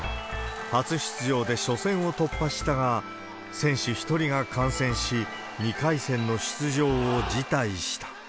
初出場で初戦を突破したが、選手１人が感染し、２回戦の出場を辞退した。